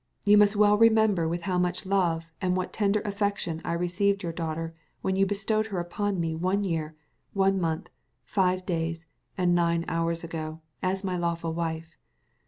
You must well remember with how much love and what tender affection I received your daughter when you bestowed her upon me one year, one month, five days, and nine hours ago, as my lawful wife.